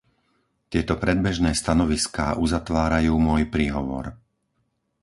Tieto predbežné stanoviská uzatvárajú môj príhovor.